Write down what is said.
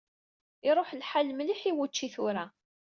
Iruḥ lḥal mliḥ i wučči tura.